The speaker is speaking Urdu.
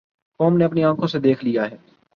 قوم نے اپنی آنکھوں سے دیکھ لیا ہے۔